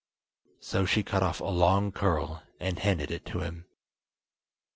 So she cut off a long curl, and handed it to him.